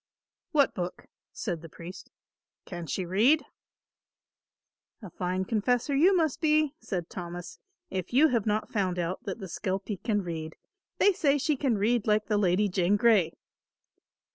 "What book?" said the priest. "Can she read?" "A fine confessor you must be," said Thomas, "if you have not found out that the skelpie can read. They say she can read like the Lady Jane Grey."